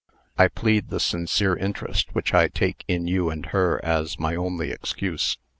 I plead the sincere interest which I take in you and her as my only excuse."